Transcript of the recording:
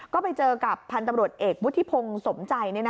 ก็ไปเจอกับพันธุ์ตำรวจเอกวุฒิพงศ์สมใจ